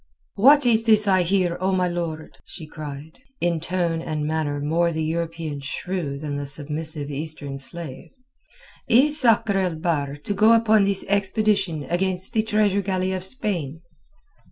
"What is this I hear, O my lord?" she cried, in tone and manner more the European shrew than the submissive Eastern slave. "Is Sakr el Bahr to go upon this expedition against the treasure galley of Spain?"